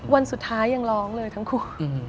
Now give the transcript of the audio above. วันสุดท้ายยังร้องเลยทั้งคู่